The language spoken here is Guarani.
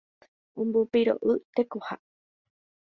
Ombopiro'y tekoha